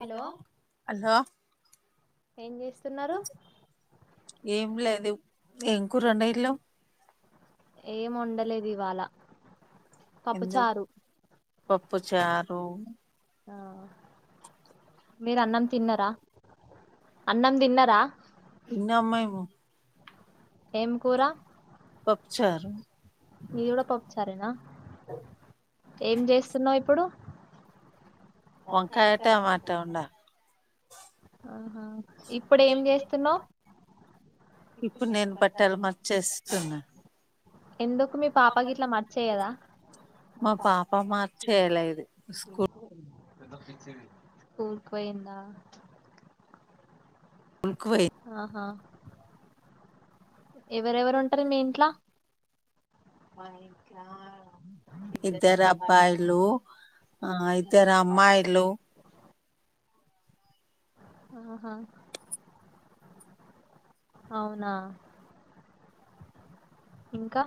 Hello ఏం లేదు ఏం కూర వండావ్ ఇంట్లో ఏం వండలేదు ఇవాళ ఎందు పప్పు చారు ఆ మీరు అన్నం తిన్నారా అన్నం తిన్నార తిన్నాం మేము ఏం కూర మీది కూడా పప్పుచారేనా ఏం చేస్తున్నావు ఇప్పుడు వంకాయ టమాటా వండా ఆహా ఇప్పుడు ఏం చేస్తున్నావు ఇప్పుడు నేను బట్టలు మర్చేస్తున్నా ఎందుకు మీ పాపకి ఇట్లా మర్చేయదా మా పాప మర్చేయలేదు స్కూల్ స్కూల్ కి పోయిందా ఆహా ఎవరెవరు ఉంటారు మీ ఇంట్లో మా ఇంట్ల ఇద్దరు అబ్బాయిలు ఆ ఇద్దరు అమ్మాయిలు ఆహా అవునా ఇంకా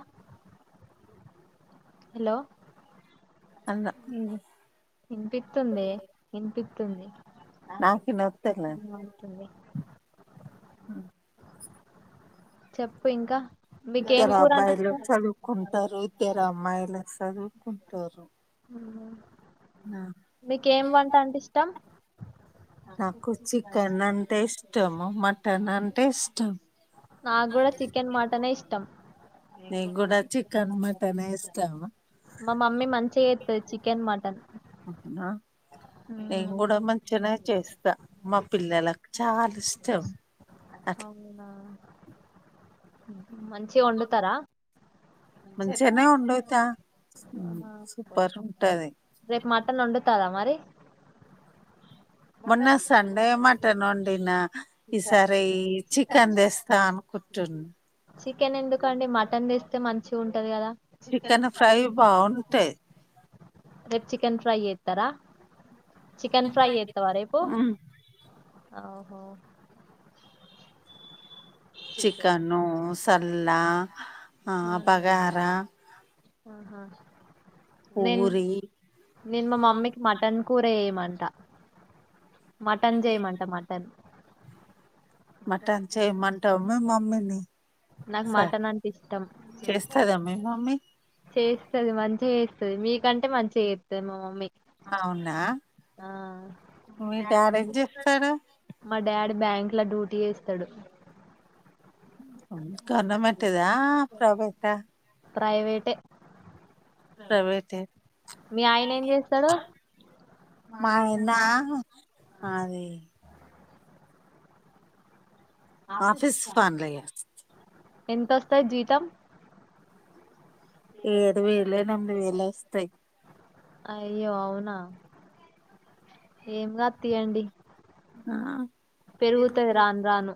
హలో అన్న వినిపిస్తుందే వినిపిస్తుంది పిస్తోంది నాకు వినవత్తలే చెప్పు ఇంకా ఇద్దరు అబ్బాయిలు చదువుకుంటారు ఇద్దరు అమ్మాయిలు చదువుకుంటారు మీక ఏం వంట అంటే ఇష్టం నాకు చికెన్ అంటె ఇష్టం మటన్ అంటే నాకు కూడా చికెన్ మటనే ఇష్టం మా మమ్మీ మంచిగా చెత్తాది చికెన్ మటన్ నేను కూడా మంచినే చేస్తా మా పిల్లలకు చాలా ఇష్టం అట్లా అ మంచిగా వండుతారా మంచిగానే వడుత సూపర్ ఉంటది మరి మొన్న సండే మటన్ వండినా ఈసారి ఈ చికెన్ తెేస్తా అనుకుంటును చికెన్ ఎందుకండి మటన్ తీస్తే మంచి ఉంటది కదా చికెన్ ఫ్రై బాగుంటది రెడ్ చికెన్ ఫ్రై చేతార చికెన్ ఫ్రై అయితే చేతవ రేపు ఓహో చికను సల్లా బగారా ఆహా నేను నేను మా మమ్మీకి మటన్ కూర చేయమంట మటన్ చేయమంట మటన్ మటన్ చేయమంటావు మీ మమ్మీని స చేస్తాద మీ మమ్మీ వ మీకంటే మంచిగా చేతుంది మామమ్మీ అవునా మీ డాడీ ఏం చేస్తారూ బ్యాంక్ డూట్ చేస్తాడు గవర్నమెంట్ ఆ ప్రైవేట్ ఆ ప్రైవేట్ ప్రవేటే మీ ఆయన ఏం చేస్తాడొ మా ఆయనా అది ఆఫీస్ ఫండ్లయే ఎంతొస్తాది జీతం ఏడు వేలి ఎనిమిది వేలో వస్తాయ్ అయ్యో అవునా ఏమ్ గాద్ తీయండి ఆ పెరుగుతది రాన్ రాను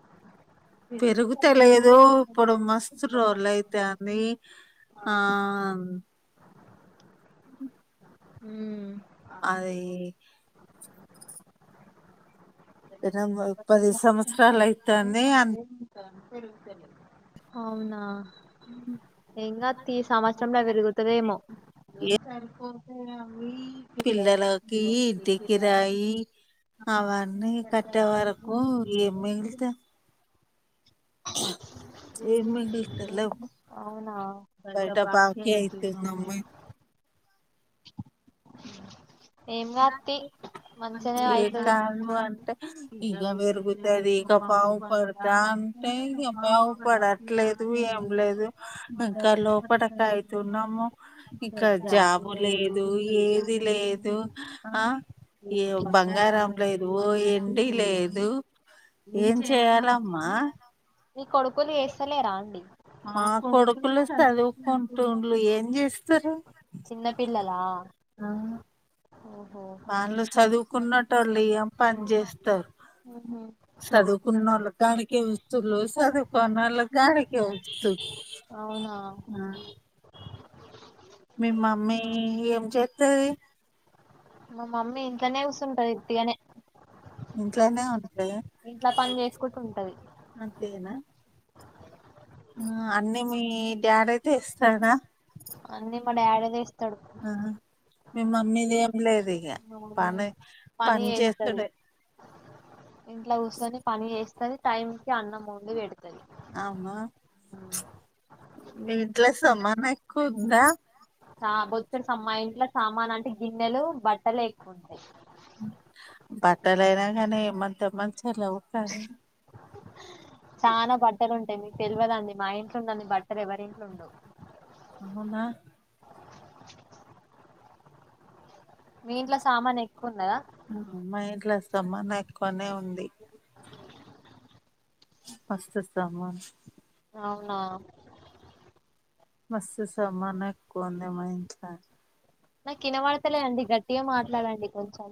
పెరుగతలేదు ఇప్పుడు మస్తు రోజలు అయితాంది ఆ ఉ అదే డిసెంబర్ పది సంవత్సరాలు అయితాంది అవునా ఇంగా తీ సంవత్సరంలో పెరుగుతదేమో ఏం సరిపోతాయ్ అవి పిల్లలకి టి కిరాయి అవన్నీ కట్టే వరకు ఏం మిగిలితాయ్ అవునా ఏం కాదు అంటే ఇక పెరుగుతది ఇక పావు పడతా అంటే ఇక పావు పడట్లేదు ఏం లేదు ఇంకా లోపలికి అయితున్నాము ఇక జా బు లేదు ఏది లేదు ఆ ఏ బంగారం లేదు ఎండి లేదు ఏం చేయాలమ్మా మి కొడుకులు ఏస్తలేరా అండి మా కొడుకులు చదువుకుంటు వుండురు ఏం చేస్తారు చిన్న పిల్లలా ఓహో ఊహు అవునా మీ మమ్మీ ఏం చేత్తది మా మమ్మీ ఇంట్లోనే కూస్సుంటాది ఉత్తిగానే ఇంట్లో పని చేసుకుంటూ ఉంటది ఇనోడి బుల్ అని మా డాడీ దీస్తాడు పని చేస్తది అమా మీ ఇంట్లో సమానం ఎక్కువ ఉందా బట్టలు అయినా కానీ మ ఇద్ద మంచించిలా ఉం వార్ చాలా బట్టలు ఉంటాయి మీకు తెలివదండి మా ఇంట్లున్న బట్టలు ఎవరింట్లుండవు అమ్ మా ఇంట్లోస్తమా న్ ఎక్కువనే ఉంది మస్తు సామాన్ అవునా మస్త్ సమాన్ ఎక్కువ వుంది మా ఇంట్ల నా కినబడతలే అండి గట్టిగా మాట్లాడండి కొంచెం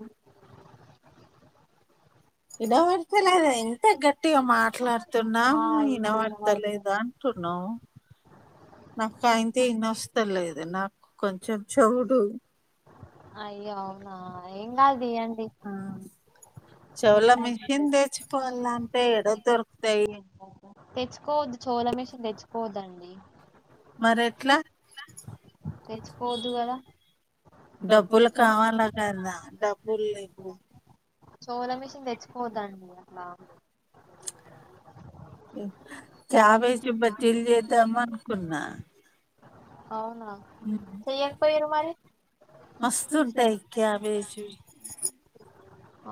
ఇనవడత లేద ఇంత గట్టిగా మాట్లాడుతున్నాం ఇనవడత లేదా అంటున్నావు నాకు ఆయన అన వస్తలేదు నాకు కొంచెం చవుడు అయ్యారు అ ఏం కాదియండి చంటే ఎ తెచ్చుకోవచ్చు చోల మషన్ తెచ్చుకోవద్దండి మన ఎట్లా తెచ్చిపోవద్దు కదా డబ్బులు కావాలి సోల మిషన్ తెచ్చిపోవద్దండి అట్లా చ వేసి బచ్చిల్ చేద్దమా కున్నా అవును మస్తూ త్యక వేసిండూ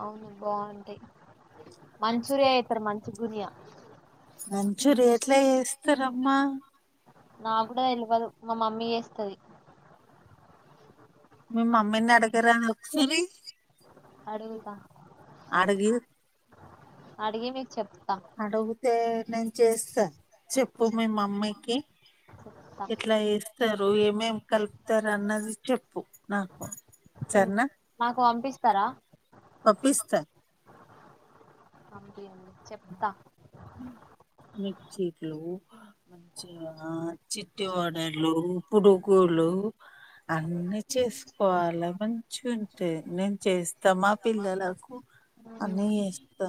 అవును బావుంది మంచూరియా యితారు మంచి గునియా మ నా కూడా తెలిదు ఇ ఎస్తది మీ మమ్మీని అడిగరా వ అడిగిరి అడిగి మీక్ చెప్ అడుగుతే నేను చేస్తా చెప్పు మీ మమ్మయికి ఇట్లా ఇస్తారు ఏమేం కలుపుతారు అన్నది చెప్పు నాకు సర్ న్న పప్పిస్తా అంతే నండి మిక్చీలు మంచిగా చిట్టి వడలు పునుగులు అన్నీ చేసుకోవాలి మంచి ఉంటే నేను చేస్తా మా పిల్లలకు అన్నీ చేస్తా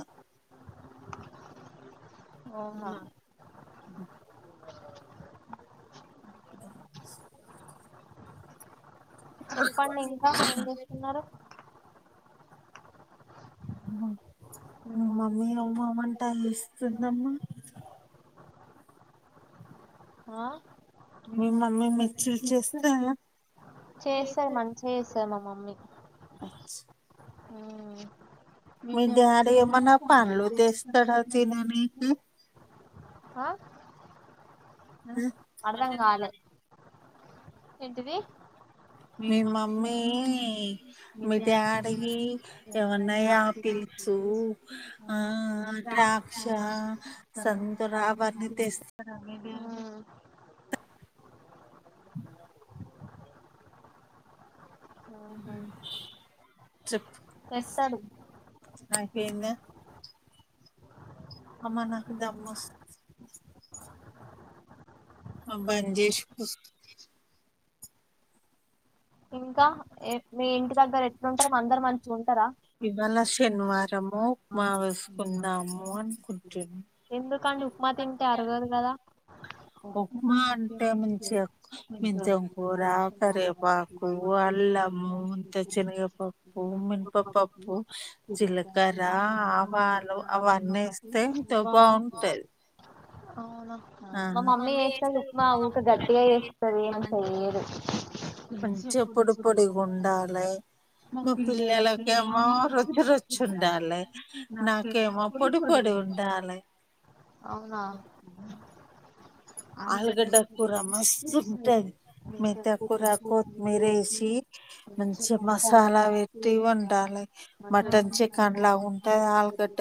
అవున [inaudible] [inaudible] చెప్పండి ఇంకా ఏం చేస్తున్నారు [inaudible] మీ మమ్మీ అమ్మమంట అ ఇస్తుందమ్మా ఆ మీ మమ్మీ మిచ్చిలు చేస్తుంద స చేస్తారు మంచిగ చేస్తారు మా మమ్మీ మీ డాడీ ఏమన్నా పండ్లు తీస్తాడా తిననిక [inaudible] ఏంటిది మీ మమ్మీ మీ డాడీ ఏమన్నా ఆపిల్సు ఆ ద్రాక్ష సందుర అవన్నీ తెస్తా ఆ [inaudible] [inaudible] చెప్పు అమ్మ నాకి దమ్మస్ ఆ బండ్జేషి కూచో [inaudible] ఇంకా ఏం మీ ఇంటి దగ్గర ఎట్లుంటారు మా అందరు మంచిగా ఉంటారా ఎందు కం ఉక్మా తింటే అరగదు కదా కు అల్లము అంత చిినగపప్పు మినపపప్పు జీలకర్ర ఆవాలు అవన్నీ ఏస్తే ఎంతో బాగుంటాది అవును మా మమ్మీ చేస్తది ఉప్మా ఊక గట్టిగా చేస్తుది ఏమీ చెయ్యదు మంచిగా పొడి పొడి ఉండాలి మీ పిల్లలకేమో రుచి రుచి ఉండాలి నాకేమో పొడి పొడి ఉండాలి అవునా ఆలుగడ్డ కూర మస్తుంటది, మెంత కూర కోత్ మీరేసి మంచిగ మసాలా పెట్టి ఉండాలె. మటన్, చికెన్ లాగుంటది ఆలుగడ్డ.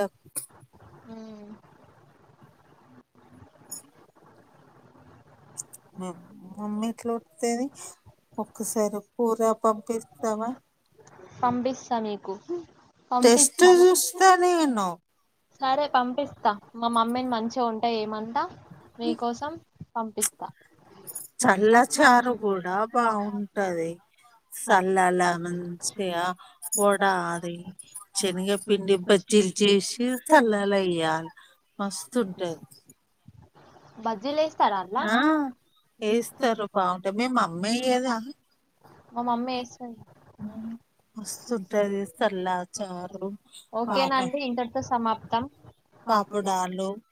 మమ్మీ ఎట్ల వండుతది? ఒక్కసారి కూర పంపిస్తవా? పంపిస్త నీకు. టెస్ట్స్ చూస్త లేదన్నవ్ సరే పంపిస్తా, మా మమ్మీన్ మంచిగుంటయి ఏమన్ ట మీ కోసం పంపిస్తా. సల్లచారు కూడ బాగుంటది. సల్లాల మంచిగా కూడా అది శనగ పిండి బజ్జీలు చేసి సల్లాల ఏయ్యాలి మస్తుంటది. ఆ ఎస్తరు బావుంటది, మీ మమ్మి ఎయ్యద? మస్తుంటది, ఎస్తరు ల్లచారు, పాప, పాపుడాలు.